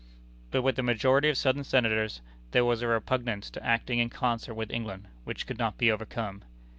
But with the majority of Southern Senators, there was a repugnance to acting in concert with England, which could not be overcome.